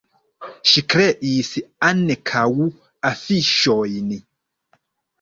Ŝi kreis ankaŭ afiŝojn.